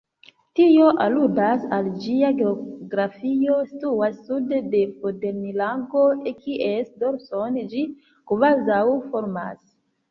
Tio aludas al ĝia geografia situo sude de Bodenlago, kies dorson ĝi kvazaŭ formas.